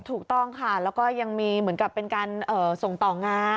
ถูกต้องค่ะแล้วก็ยังมีเหมือนกับเป็นการส่งต่องาน